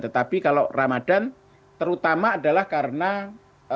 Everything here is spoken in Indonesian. tetapi kalau ramadan terutama adalah karena ramadan sale